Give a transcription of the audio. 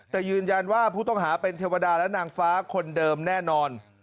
แต่ยืนยันว่าผู้ต้องหาเป็นเทวดาและนางฟ้าคนเดิมแน่นอน